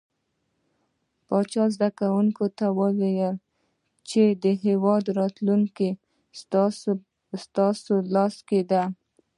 پاچا زده کوونکو ته وويل چې د هيواد راتلونکې ستاسو لاس کې ده .